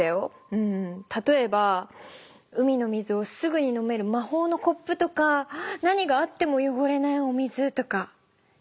うんたとえば海の水をすぐに飲めるまほうのコップとか何があってもよごれないお水とかできないかなあ。